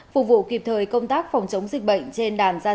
phục vụ kịp thời công tác phòng chống dịch bệnh trên đàn gia súc